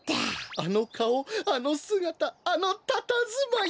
あのかおあのすがたあのたたずまい。